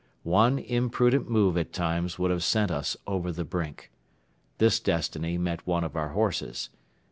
One imprudent move at times would have sent us over the brink. This destiny met one of our horses.